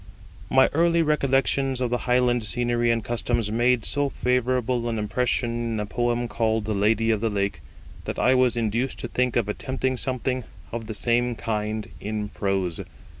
My early recollections of the Highland scenery and customs made so favourable an impression in the poem called the Lady of the Lake, that I was induced to think of attempting something of the same kind in prose.